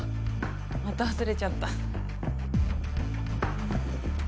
また忘れちゃった。